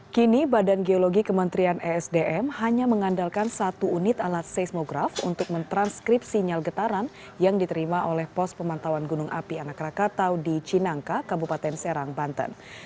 kini badan geologi kementerian esdm hanya mengandalkan satu unit alat seismograf untuk mentranskrip sinyal getaran yang diterima oleh pos pemantauan gunung api anak rakatau di cinangka kabupaten serang banten